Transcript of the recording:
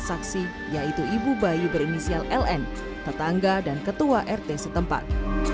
saksi yaitu ibu bayi berinisial ln tetangga dan ketua rt setempat